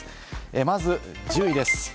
まずは１０位です。